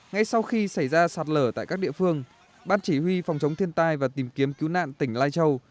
ngay sau khi xảy ra sạt lở tại các địa phương ban chỉ huy phòng chống thiên tai và tìm kiếm cứu nạn tỉnh lai châu